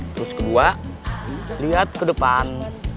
terus kedua lihat ke depan